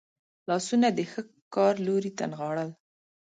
لاسونه د ښه کار لوري ته نغاړل.